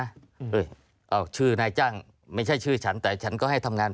เอ้ยเอาชื่อนายจ้างไม่ใช่ชื่อฉันแต่ฉันก็ให้ทำงาน